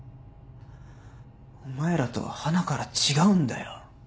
お前らとははなから違うんだよ。